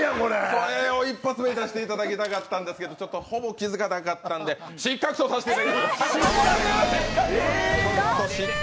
これを一発目に出していただきたかったんですけどほぼ気付かなかったんで、失格とさせていただきます。